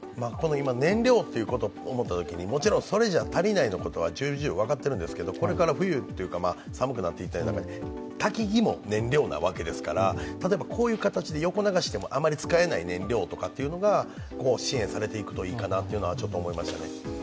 今、燃料を思ったときに、それでは足りないというのは重々分かっているんですけどこれから寒くなっていく中でたきぎも燃料なわけですから例えばこういう形で横流ししてもあまり使えない燃料というのが支援されていくといいかなとちょっと思いましたね。